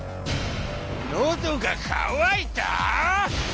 のどがかわいた？